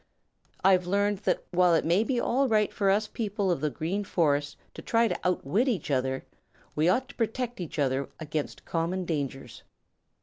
I've learned that while it may be all right for us people of the Green Forest to try to outwit each other we ought to protect each other against common dangers.